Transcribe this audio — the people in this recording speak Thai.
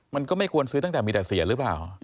มันก็ไม่ควรซื้อตั้งแต่มีแต่เสียหรือเปล่า